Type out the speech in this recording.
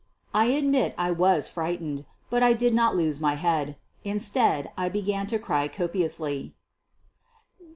I admit I was frightened, but I did not lose my head. Instead I began to cry copiously.